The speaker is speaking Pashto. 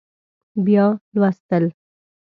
بیا لوستل